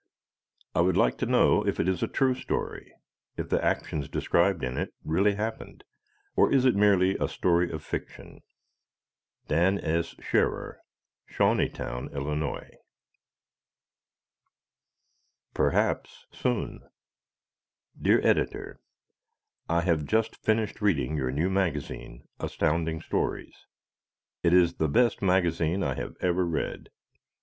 I would like to know if it is a true story, if the actions described in it really happened, or is it merely a story of fiction. Dan S. Scherrer, Shawneetown, Ill. Perhaps Soon Dear Editor: I have just finished reading your new magazine, Astounding Stories. It is the best magazine I have ever read.